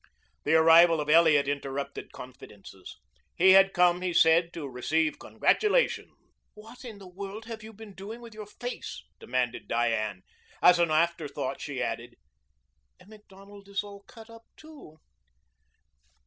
The arrival of Elliot interrupted confidences. He had come, he said, to receive congratulations. "What in the world have you been doing with your face?" demanded Diane. As an afterthought she added: "Mr. Macdonald is all cut up too."